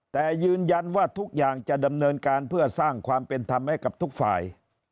แต่ยืนยันว่าทุกอย่างจะดำเนินการเพื่อสร้างความเป็นธรรมให้กับทุกฝ่าย